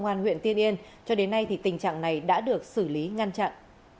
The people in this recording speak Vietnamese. công an huyện tiên yên cho đến nay thì tình trạng này đã được xử lý ngăn chặn